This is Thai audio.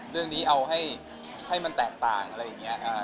เรื่องนี้เอาให้มันแตกต่างอะไรอย่างนี้